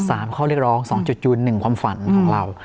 ข้อเรียกร้องสองจุดยืนหนึ่งความฝันของเรา